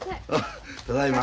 ただいま。